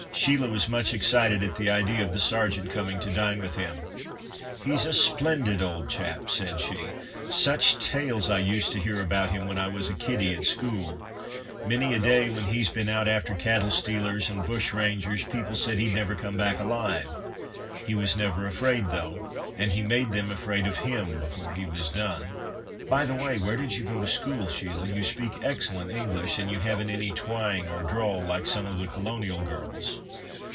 Sheila was much excited at the idea of the Sergeant coming to dine with him. "He's a splendid old chap," said she. "Such tales I used to hear about him when I was a kiddie at school. Many a day when he's been out after cattle stealers, and bushrangers, people said he'd never come back alive. He was never afraid, though, and he made them afraid of him before he was done." "By the way, where did you go to school, Sheila? You speak excellent English, and you haven't any twang or drawl, like some of the colonial girls."